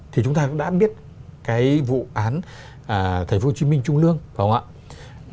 thì chúng ta cũng đã biết cái vụ án thành phố hồ chí minh trung lương không ạ